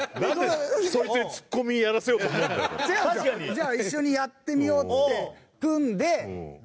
じゃあ一緒にやってみようっつって。